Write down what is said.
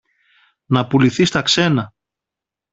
να πουληθεί στα ξένα.